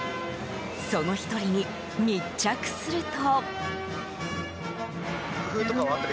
その１人に密着すると。